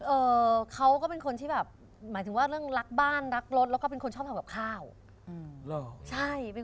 เอ่อเขาก็เป็นคนที่แบบหมายถึงว่าเรื่องรักบ้านรักรถแล้วก็เป็นคนชอบทำกับข้าวอืมหรอใช่เป็น